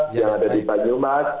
yang ada di banyumas